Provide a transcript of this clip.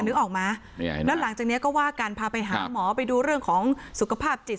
นึกออกไหมแล้วหลังจากนี้ก็ว่ากันพาไปหาหมอไปดูเรื่องของสุขภาพจิต